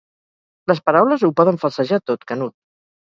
Les paraules ho poden falsejar tot, Canut.